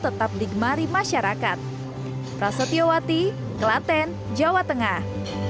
tetap digemari masyarakat prasetyowati klaten jawa tengah